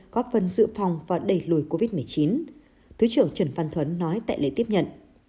góp phần dự phòng và đẩy lùi covid một mươi chín thứ trưởng trần văn thuấn nói tại lễ tiếp nhận